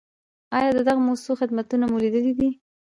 آیا د دغو مؤسسو خدمتونه مو لیدلي دي؟